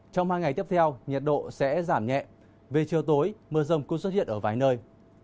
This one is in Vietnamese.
trong hai ngày tiếp theo nhiệt độ sẽ giảm nhẹ về chiều tối mưa rông cũng xuất hiện ở vài nơi